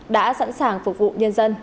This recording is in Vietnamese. đã sẵn sàng phục vụ nhân dân